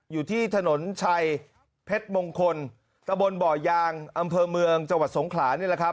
อยู่ที่ถนนชัยเพชรมงคลตะบนบ่อยางอำเภอเมืองจังหวัดสงขรา